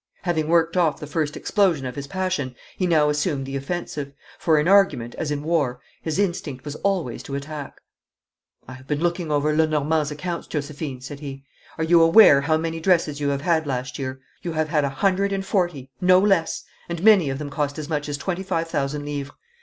Having worked off the first explosion of his passion he now assumed the offensive, for in argument, as in war, his instinct was always to attack. 'I have been looking over Lenormand's accounts, Josephine,' said he. 'Are you aware how many dresses you have had last year? You have had a hundred and forty no less and many of them cost as much as twenty five thousand livres.